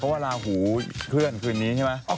เพราะว่าลาหูเคลื่อนคืนนี้ใช่ไหม